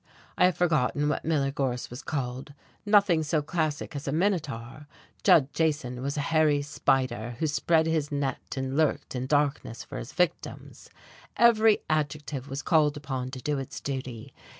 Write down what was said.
I have forgotten what Miller Gorse was called; nothing so classic as a Minotaur; Judd Jason was a hairy spider who spread his net and lurked in darkness for his victims. Every adjective was called upon to do its duty....